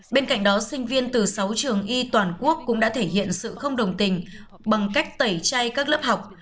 bên cạnh đó sinh viên từ sáu trường y toàn quốc cũng đã thể hiện sự không đồng tình bằng cách tẩy chay các lớp học